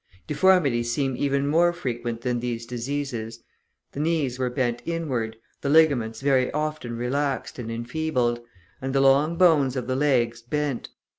Deformities seem even more frequent than these diseases; the knees were bent inward, the ligaments very often relaxed and enfeebled, and the long bones of the legs bent.